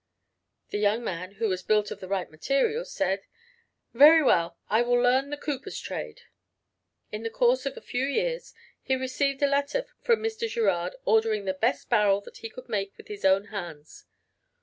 The young man, who was built of the right material, said, "Very well, I will learn the cooper's trade." In the course of a few years he received a letter from Mr. Girard ordering the best barrel that he could make with his own hands.